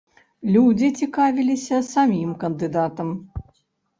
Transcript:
Людзі цікавіліся самім кандыдатам.